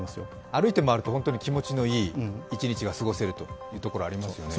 歩いて回ると本当に気持ちのいい一日が過ごせるところがありますよね。